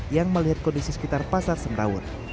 yang melihat kondisi sekitar pasar semrawur